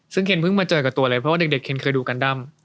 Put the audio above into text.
ซึ่งเคนเพิ่งมาเจอกับตัวเลยเพราะว่าเด็กเคนเคยดูกันด้ำ